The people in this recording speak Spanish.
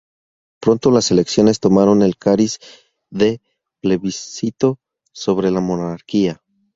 Pronto, las elecciones tomaron el cariz de plebiscito sobre la monarquía.